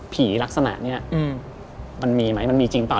ลักษณะนี้มันมีไหมมันมีจริงเปล่า